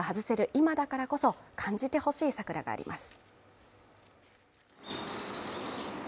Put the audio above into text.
今だからこそ感じてほしい桜があります。